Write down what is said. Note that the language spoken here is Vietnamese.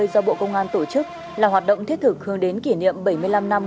do bộ công an tổ chức là hoạt động thiết thực hướng đến kỷ niệm bảy mươi năm năm